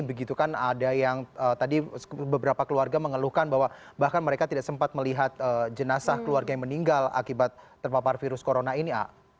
begitu kan ada yang tadi beberapa keluarga mengeluhkan bahwa bahkan mereka tidak sempat melihat jenazah keluarga yang meninggal akibat terpapar virus corona ini